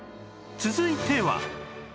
続いては